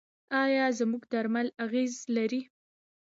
آیا زموږ درمل اغیز لري؟